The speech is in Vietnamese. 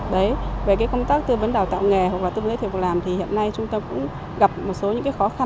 đồng thời tư vấn giới thiệu việc làm cho họ